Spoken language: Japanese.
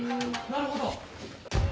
なるほど。